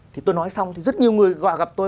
thì tôi nói xong thì rất nhiều người gọi gặp tôi